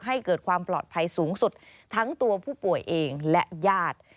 ให้เกิดความปลอดภัยสูงสุดทั้งตัวผู้ป่วยเองและญาติ